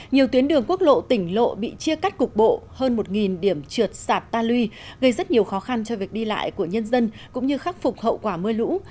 nhiều tuyến đường quốc lộ tỉnh lộ bị chia cắt cục bộ hơn một điểm trượt sạt ta luy gây rất nhiều khó khăn cho việc đi lại của nhân dân cũng như khắc phục hậu quả mưa lũ